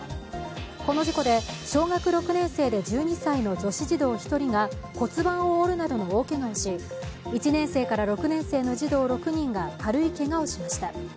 この事故で小学６年生で１２歳の女子児童１人が骨盤を折るなどの大けがをし１年生から６年生の児童６人が軽いけがをしました。